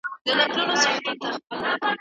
افغانستان له نړیوالو قوانینو سرغړونه نه کوي.